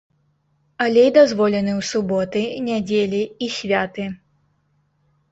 Алей дазволены ў суботы, нядзелі і святы.